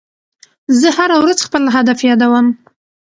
زه هره ورځ خپل هدف یادوم.